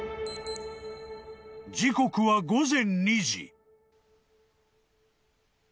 ［時刻は午前２時］